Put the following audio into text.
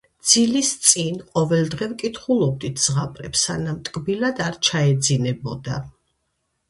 ძილის წინ, ყოველ დღე ვკითხულობდით ზღაპრებს, სანამ ტკბილად არ ჩაეძინებოდა